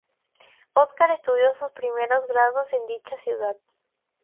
Oscar estudió sus primeros grados en dicha ciudad.